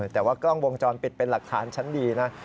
แต่ว่ากล้องวงจรปิดเป็นหลักฐานชั้นดีนะ